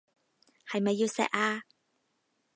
係咪要錫啊？